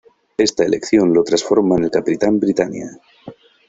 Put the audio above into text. Esta elección lo transforma en el Capitán Britania.